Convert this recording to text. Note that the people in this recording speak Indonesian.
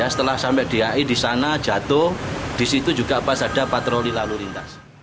setelah sampai dai di sana jatuh di situ juga pas ada patroli lalu lintas